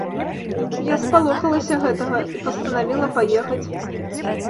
Я спалохалася гэтага і пастанавіла паехаць.